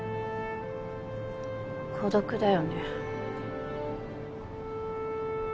孤独だよね。